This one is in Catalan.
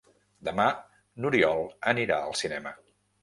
Demà n'Oriol anirà al cinema.